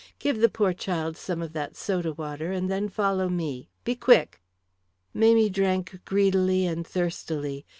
Give the poor child some of that soda water and then follow me. Be quick." Mamie drank greedily and thirstily.